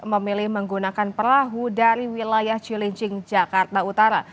memilih menggunakan perahu dari wilayah cilincing jakarta utara